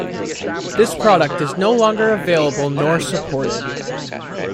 This product is no longer available nor supported.